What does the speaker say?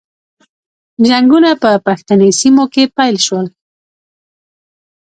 جنګونه په پښتني سیمو کې پیل شول.